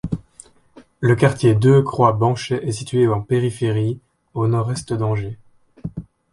Le quartier Deux Croix-Banchais est situé en périphérie, au nord-est d'Angers.